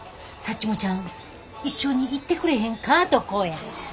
サッチモちゃん一緒に行ってくれへんか？」とこうや。